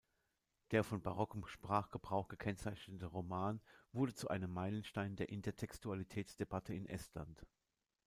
Der von barockem Sprachgebrauch gekennzeichnete Roman wurde zu einem Meilenstein der Intertextualitäts-Debatte in Estland.